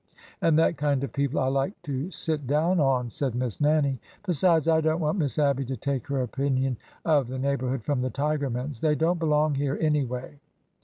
" And that kind of people I like to sit down on !" said Miss Nannie. " Besides, I don't want Miss Abby to take her opinion of the neighborhood from the Tigermans. They don't belong here, anyway."